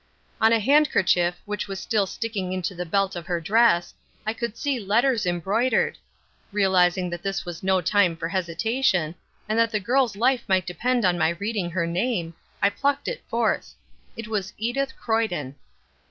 On a handkerchief which was still sticking into the belt of her dress, I could see letters embroidered. Realizing that this was no time for hesitation, and that the girl's life might depend on my reading her name, I plucked it forth. It was Edith Croyden.